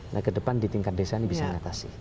nah kedepan di tingkat desa ini bisa mengatasi